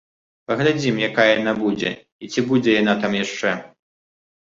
Паглядзім, якая яна будзе і ці будзе яна там яшчэ!